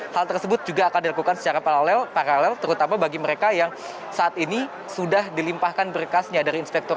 hal tersebut juga akan dilakukan secara paralel terutama bagi mereka yang saat ini sudah dilimpahkan berkasnya dari inspektor